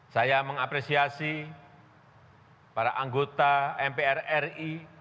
saya mengapresiasi para anggota mpr ri